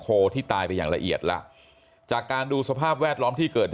ที่ตายไปอย่างละเอียดแล้วจากการดูสภาพแวดล้อมที่เกิด